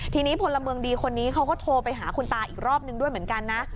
ทีนี้พลเมืองดีคนนี้เขาก็โทรไปหาคุณตาอีกรอบนึงด้วยเหมือนกันนะ